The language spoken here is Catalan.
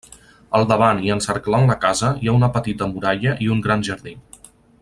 Al davant i encerclant la casa hi ha una petita muralla i un gran jardí.